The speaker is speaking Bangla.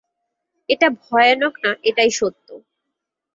এটা ভয়ানক না এটাই সত্য।